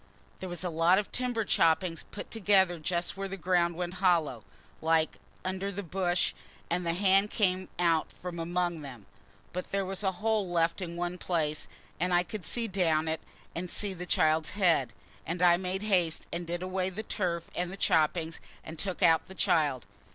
"There was a lot of timber choppings put together just where the ground went hollow, like, under the bush, and the hand came out from among them. But there was a hole left in one place and I could see down it and see the child's head; and I made haste and did away the turf and the choppings, and took out the child.